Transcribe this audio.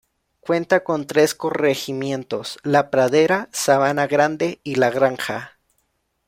Cuenta con tres corregimientos: La Pradera, Sabana Grande y La Granja.